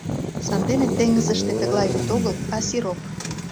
Сандене теҥызыште тыглай вӱд огыл, а сироп.